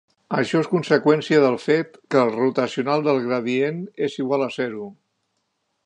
Això és conseqüència del fet que el rotacional del gradient és igual a zero.